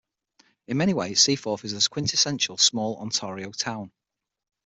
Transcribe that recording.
In many ways, Seaforth is the quintessential small Ontario town.